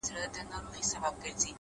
حقیقت ذهن ته ازادي ورکوي،